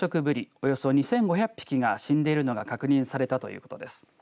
およそ２５００匹が死んでいるのが確認されたということです。